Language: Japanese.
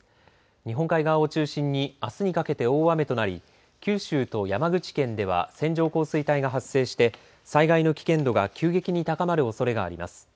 日本海側を中心にあすにかけて大雨となり九州と山口県では線状降水帯が発生して災害の危険度が急激に高まるおそれがあります。